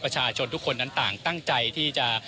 ประชาชนทุกคนนั้นต่างตั้งใจที่จะ